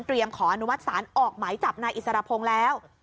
เตรียมขออนุมัติสารออกไหมจากนายอิสรพงษ์แล้ว